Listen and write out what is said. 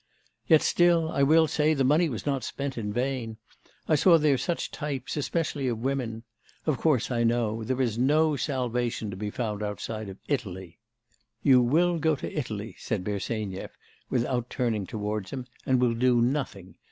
'Yet still, I will say, the money was not spent in vain. I saw there such types, especially of women.... Of course, I know; there is no salvation to be found outside of Italy!' 'You will go to Italy,' said Bersenyev, without turning towards him, 'and will do nothing.